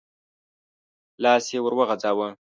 لاس يې ور وغځاوه.